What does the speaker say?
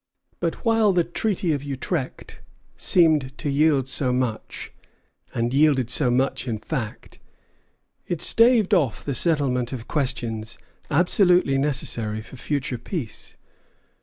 But while the Treaty of Utrecht seemed to yield so much, and yielded so much in fact, it staved off the settlement of questions absolutely necessary for future peace.